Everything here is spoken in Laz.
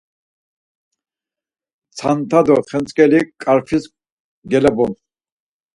Tsantsa do xentzk̆eli k̆arfis gelobun.